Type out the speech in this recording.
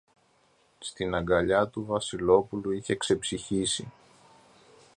Στην αγκαλιά του Βασιλόπουλου είχε ξεψυχήσει.